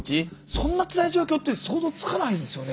そんなつらい状況って想像つかないんですよね。